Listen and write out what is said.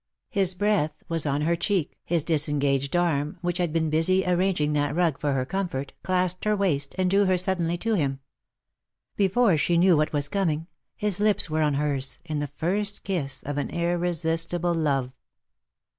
His breath was on her cheek, his disengaged arm, which had been busy arranging that rug for her comfort, clasped her waist, and drew her sud denly to him. Before she knew what was coming, his lips were on hers, in the first kiss of an irresistible love.